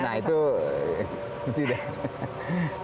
nah itu tidak